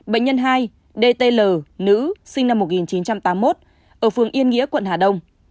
bệnh nhân hai d t l nữ sinh năm một nghìn chín trăm tám mươi một ở phường yên nghĩa quận hà đông